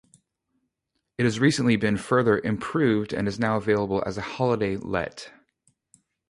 It has recently been further improved and is now available as a holiday let.